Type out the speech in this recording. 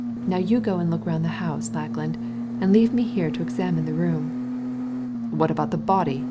Now you go and look round the house, Lackland, and leave me here to examine the room." "What about the body?"